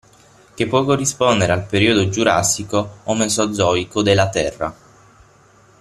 Che può corrispondere al periodo giurassico o mesozoico della Terra.